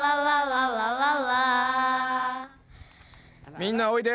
みんなおいで。